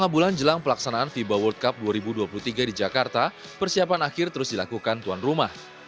lima bulan jelang pelaksanaan fiba world cup dua ribu dua puluh tiga di jakarta persiapan akhir terus dilakukan tuan rumah